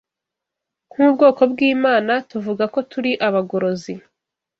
Nk’ubwoko bw’Imana, tuvuga ko turi abagorozi